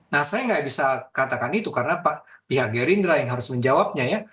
nah saya nggak bisa katakan itu karena pihak gerindra yang harus menjawabnya ya